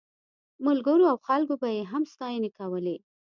ملګرو او خلکو به یې هم ستاینې کولې.